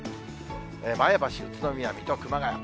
前橋、宇都宮、水戸、熊谷。